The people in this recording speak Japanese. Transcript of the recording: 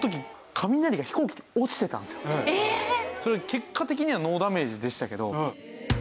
結果的にはノーダメージでしたけど。